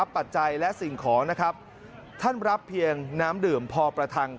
ปัจจัยและสิ่งของนะครับท่านรับเพียงน้ำดื่มพอประทัง